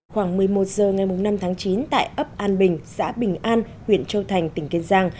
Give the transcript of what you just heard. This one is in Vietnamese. khoảng một mươi một h ngày năm tháng chín tại ấp an bình xã bình an huyện châu thành tỉnh kiên giang